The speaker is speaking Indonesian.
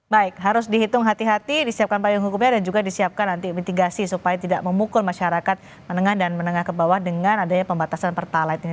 baik harus dihitung hati hati disiapkan payung hukumnya dan juga disiapkan nanti mitigasi supaya tidak memukul masyarakat menengah dan menengah ke bawah dengan adanya pembatasan pertalite ini